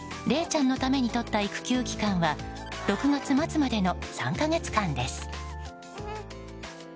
れいちゃんのために取った育休期間は６月末までの３か月間です。